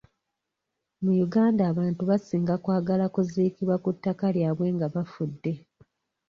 Mu Uganda abantu basinga kwagala kuziikibwa ku ttaka lyabwe nga bafudde.